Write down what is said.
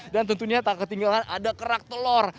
dan tentunya tak ketinggalan ada kerak telur